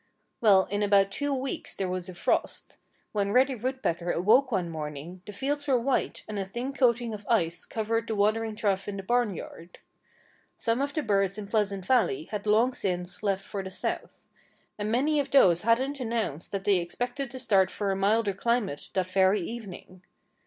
Well, in about two weeks there was a frost. When Reddy Woodpecker awoke one morning the fields were white and a thin coating of ice covered the watering trough in the barnyard. Some of the birds in Pleasant Valley had long since left for the South. And many of those that hadn't announced that they expected to start for a milder climate that very evening.